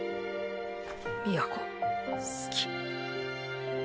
都好き。